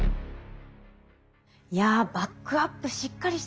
いやバックアップしっかりしてますね。